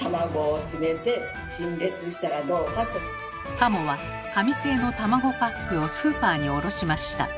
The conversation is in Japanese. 加茂は紙製の卵パックをスーパーに卸しました。